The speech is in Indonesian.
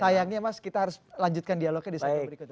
sayangnya mas kita harus lanjutkan dialognya di segmen berikutnya